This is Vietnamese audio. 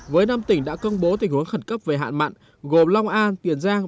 với năm tỉnh đã công bố tình huống khẩn cấp về hạn mặn gồm long an tiền giang